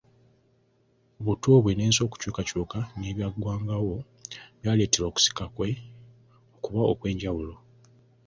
Obuto bwe n'ensi okukyukako n'ebyagwangawo byaleetera okusika kwe okuba okw'enjawulo.